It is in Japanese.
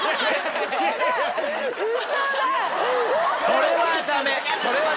それはダメよ。